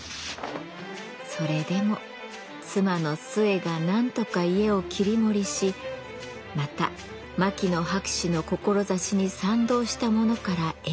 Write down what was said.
それでも妻の寿衛がなんとか家を切り盛りしまた牧野博士の志に賛同した者から援助を受け。